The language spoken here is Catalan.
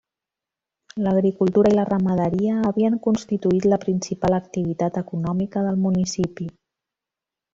L'agricultura i la ramaderia havien constituït la principal activitat econòmica del municipi.